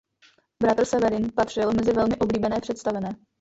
Bratr Severin patřil mezi velmi oblíbené představené.